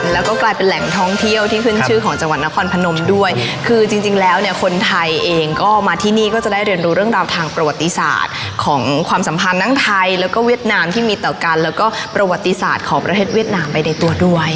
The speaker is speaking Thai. แล้วก็กลายเป็นแหล่งท่องเที่ยวที่ขึ้นชื่อของจังหวัดนครพนมด้วยคือจริงจริงแล้วเนี่ยคนไทยเองก็มาที่นี่ก็จะได้เรียนรู้เรื่องราวทางประวัติศาสตร์ของความสัมพันธ์ทั้งไทยแล้วก็เวียดนามที่มีต่อกันแล้วก็ประวัติศาสตร์ของประเทศเวียดนามไปในตัวด้วย